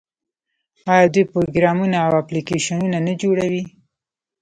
آیا دوی پروګرامونه او اپلیکیشنونه نه جوړوي؟